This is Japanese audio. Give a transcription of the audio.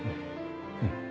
うん。